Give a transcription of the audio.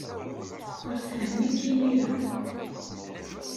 Teqqel tfehhem-ik imir-a.